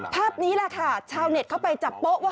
ภาพนี้แหละค่ะชาวเน็ตเข้าไปจับโป๊ะว่า